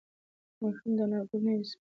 ماشوم د انارګل نوې څپلۍ لیدل غوښتل.